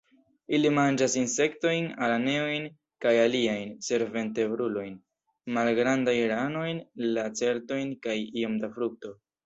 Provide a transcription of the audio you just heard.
Ili manĝas insektojn, araneojn kaj aliajn senvertebrulojn, malgrandajn ranojn, lacertojn kaj iom da frukto.